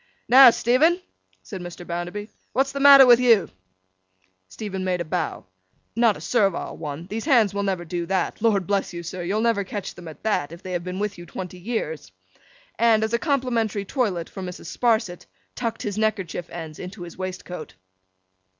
'Now, Stephen,' said Mr. Bounderby, 'what's the matter with you?' Stephen made a bow. Not a servile one—these Hands will never do that! Lord bless you, sir, you'll never catch them at that, if they have been with you twenty years!—and, as a complimentary toilet for Mrs. Sparsit, tucked his neckerchief ends into his waistcoat.